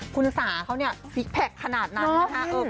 คุณสาเขาสีแพ็คขนาดนั้นนะครับ